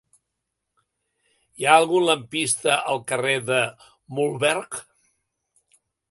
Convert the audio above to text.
Hi ha algun lampista al carrer de Mühlberg?